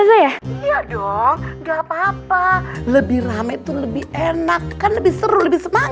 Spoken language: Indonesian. udah gak usah mikirin yang kayak begituan